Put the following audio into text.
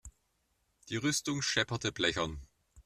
Die Rüstung schepperte blechern.